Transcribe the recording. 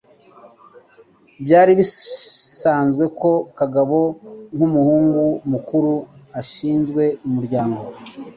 Byari ibisanzwe ko Kagabo, nk'umuhungu mukuru, ashinzwe umuryango